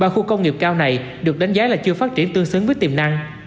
ba khu công nghiệp cao này được đánh giá là chưa phát triển tương xứng với tiềm năng